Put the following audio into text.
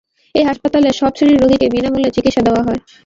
এই হাসপাতালে সব শ্রেণির রোগীকে বিনা মূল্যে চিকিৎসা দেওয়া হয়।